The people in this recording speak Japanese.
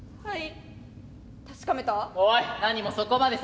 はい。